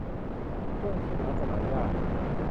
เครื่องฉีดน้ำสนามหญ้า